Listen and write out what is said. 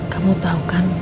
kamu tahu kan